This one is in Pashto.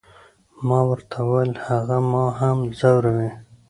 ما ورته وویل، هغه ما هم ځوروي.